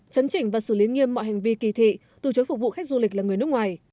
chấn chỉnh và xử lý nghiêm mọi hành vi kỳ thị từ chối phục vụ khách du lịch là người nước ngoài